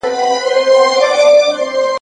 په ادارو کي باید د رشوت خورۍ مخه ونیول سي.